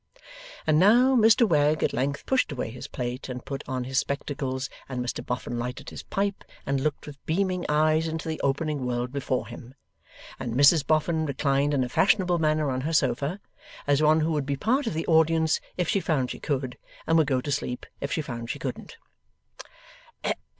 And now, Mr Wegg at length pushed away his plate and put on his spectacles, and Mr Boffin lighted his pipe and looked with beaming eyes into the opening world before him, and Mrs Boffin reclined in a fashionable manner on her sofa: as one who would be part of the audience if she found she could, and would go to sleep if she found she couldn't.